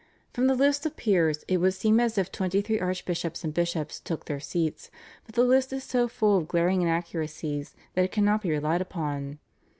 From the list of peers it would seem as if twenty three archbishops and bishops took their seats, but the list is so full of glaring inaccuracies that it cannot be relied upon.